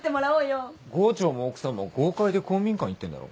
郷長も奥さんも郷会で公民館行ってんだろ？